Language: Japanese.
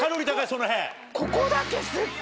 その辺。